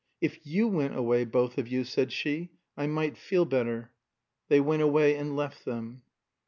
"If you went away, both of you," said she, "I might feel better." They went away and left them.